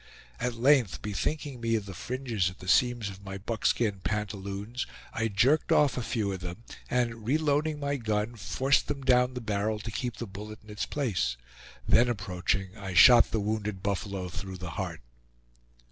At length, bethinking me of the fringes at the seams of my buckskin pantaloons, I jerked off a few of them, and reloading my gun, forced them down the barrel to keep the bullet in its place; then approaching, I shot the wounded buffalo through the heart.